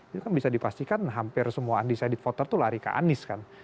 itu kan bisa dipastikan hampir semua undecided voter tuh lari ke anies kan